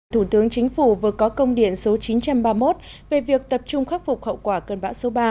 thủ tướng chính phủ vừa có công điện số chín trăm ba mươi một về việc tập trung khắc phục hậu quả cơn bão số ba